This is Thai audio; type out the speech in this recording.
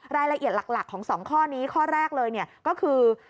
รายละเอียดหลักของ๒ข้อนี้ข้อแรกเลยก็คือ